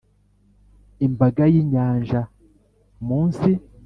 imbaga y'inyanja munsi